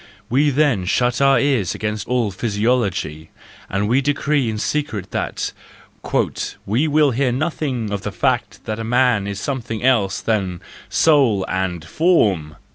We then shut our ears against all physiology, and we decree in secret that "we will hear nothing of the fact that man is something else than soul and form!"